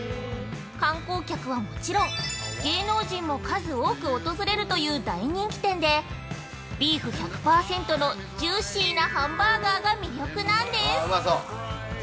観光客はもちろん、芸能人も数多く訪れるという大人気店で、ビーフ１００％のジューシーなハンバーガーが魅力なんです。